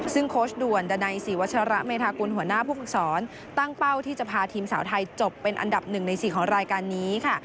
ซึ่งโคชด่วนดันไนสีวัชระเมรินาคุณหัวหน้าภูมิสอนตั้งเป้าที่จะพาทีมสาวไทยจบเป็นอันดับหนึ่งในสีของรายการนี้ค่ะ